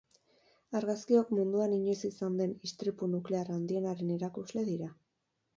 Argazkiok munduan inoiz izan den istripu nuklear handienaren erakusle dira.